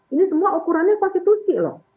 ini semua ukurannya konstitusi loh